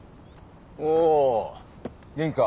お元気か？